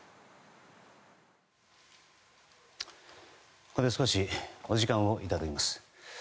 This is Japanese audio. ここで少しお時間をいただきます。